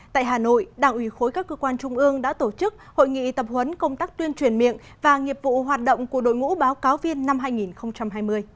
tại hà nội đảng ủy khối các cơ quan trung ương đã tổ chức hội nghị tập huấn công tác tuyên truyền miệng và nghiệp vụ hoạt động của đội ngũ báo cáo viên năm hai nghìn hai mươi